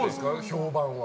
評判は。